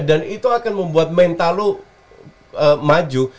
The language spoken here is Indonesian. dan itu akan membuat mental lo maju